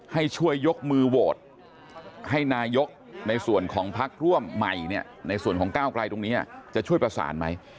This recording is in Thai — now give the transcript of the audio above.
ให้ช่วยยกมือโหวตให้นายกในส่วนของพักร่วมใหม่เนี่ยในส่วนของก้าวไกลตรงนี้จะช่วยประสานไหม